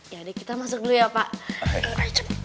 ya kita masuk dulu ya pak